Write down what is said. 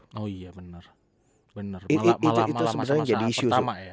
itu sebenarnya jadi isu